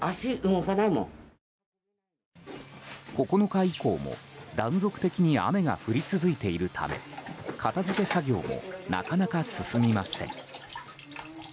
９日以降も断続的に雨が降り続いているため片付け作業もなかなか進みません。